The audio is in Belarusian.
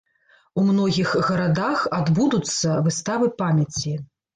У многіх гарадах адбудуцца выставы памяці.